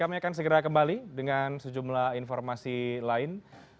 kami akan segera kembali dengan sejumlah informasi lain